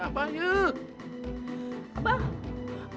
abah ambu teh capek hati